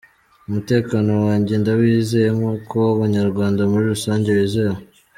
Umutekano wanjye ndawizeye nk’uko uw’Abanyarwanda muri rusange wizewe.